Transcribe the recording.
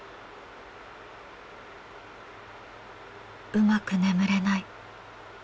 うまく眠れない。